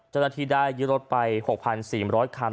เจ้าหน้าที่ได้ยึดรถไป๖๔๐๐คัน